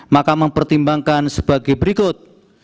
maka mempertimbangkan sebagai berikut